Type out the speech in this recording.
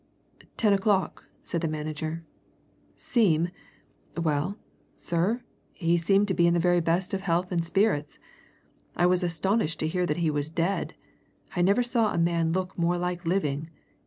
"Ten o'clock," said the manager. "Seem? Well, sir, he seemed to be in the very best of health and spirits! I was astonished to hear that he was dead. I never saw a man look more like living.